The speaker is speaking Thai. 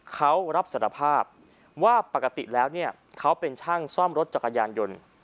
เขารับสารภาพว่าปกติแล้วเนี่ยเขาเป็นช่างซ่อมรถจักรยานยนต์